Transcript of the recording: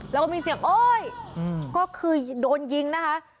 แล้วก็มีเสียงโอ๊ยก็คือโดนยิงนะคะ